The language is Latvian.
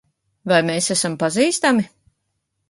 Vai mēs esam pazīstami?